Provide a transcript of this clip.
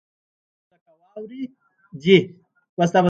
تک سپين لکه واورې دي.